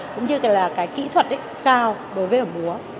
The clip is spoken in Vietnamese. cũng như là cái kỹ thuật cao đối với vở múa